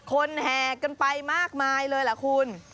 แห่กันไปมากมายเลยล่ะคุณ